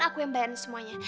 aku yang bayarin semuanya